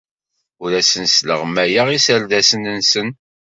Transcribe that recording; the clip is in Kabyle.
Ur asen-sleɣmayeɣ iserdasen-nsen.